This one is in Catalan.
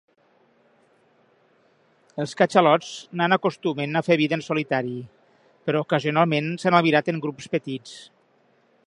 Els catxalots nan acostumen a fer vida en solitari, però ocasionalment s'han albirat en grups petits.